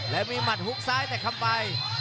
และมีหมัดฮุกซ้ายแต่คำใบ